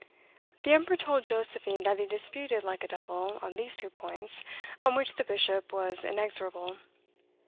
The Emperor told Josephine, that he disputed like a devil on these two points, on which the bishop was inexorable.